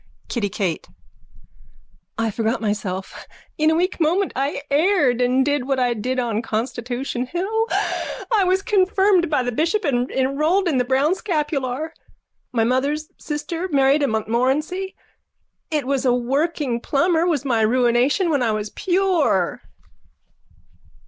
KITTY KATE: I forgot myself. In a weak moment I erred and did what I did on Constitution hill. I was confirmed by the bishop and enrolled in the brown scapular. My mother's sister married a Montmorency. It was a working plumber was my ruination when I was pure.